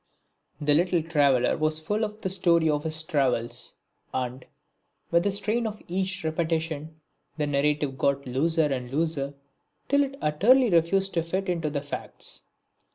The little traveller was full of the story of his travels, and, with the strain of each repetition, the narrative got looser and looser till it utterly refused to fit into the facts.